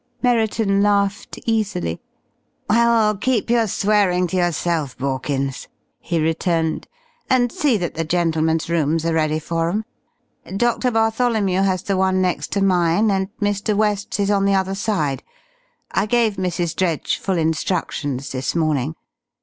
Merriton laughed easily. "Well, keep your swearing to yourself, Borkins," he returned, "and see that the gentlemen's rooms are ready for 'em. Doctor Bartholomew has the one next to mine, and Mr. West's is on the other side. I gave Mrs. Dredge full instructions this morning....